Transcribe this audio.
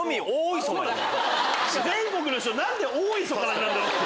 全国の人何で大磯からなんだろう？って。